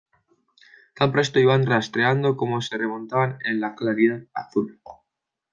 tan presto iban rastreando como se remontaban en la claridad azul.